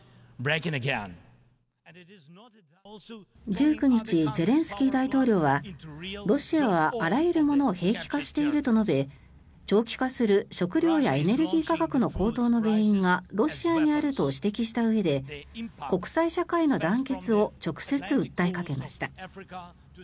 １９日、ゼレンスキー大統領はロシアはあらゆるものを兵器化していると述べ長期化する食料やエネルギー価格の高騰の原因がロシアにあると指摘したうえで国際社会の団結を直接訴えかけました。